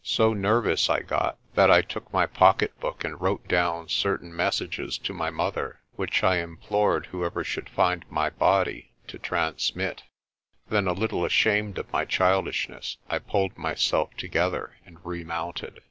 So nervous I got that I took my pocketbook and wrote down certain messages to my mother, which I im plored v/hoever should find my body to transmit. Then, a 110 PRESTER JOHN little ashamed of my childishness, I pulled myself together and remounted.